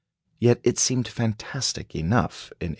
Yet it seemed fantastic enough in 1863.